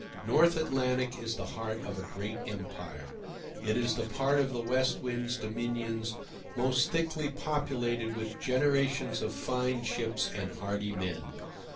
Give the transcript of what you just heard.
North Atlantic is the heart of a great empire. It is the part of the West Wind's dominions most thickly populated with generations of fine ships and hardy men.